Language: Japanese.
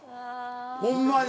ホンマに！